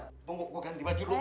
tunggu gue ganti baju dulu